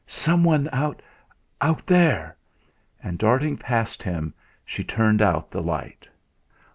Someone out out there!" And darting past him she turned out the light.